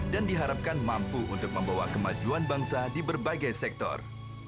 dan diharapkan mampu untuk membawa kemajuan bangsa di berbagai sektor